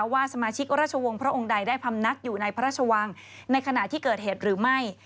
ว่าสมาชิกราชวงศ์พระองค์ใดได้พำนักอยู่ในพระราชวังในขณะที่เกิดเหตุหรือไม่